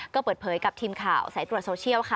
ก็เปิดเผยกับทีมข่าวสายตรวจโซเชียลค่ะ